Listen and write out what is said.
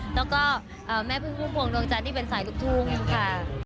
แล้วก็แม่พึงมัวงดวงจานที่เป็นสายลุกทุ้งอยู่ค่ะ